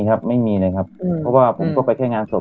ครับไม่มีเลยครับเพราะว่าผมก็ไปแค่งานศพ